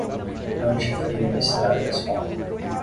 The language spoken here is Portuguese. Anti-frio na estrada de asfalto